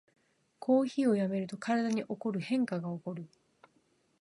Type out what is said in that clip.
コーヒーをやめると体に起こる変化がおこる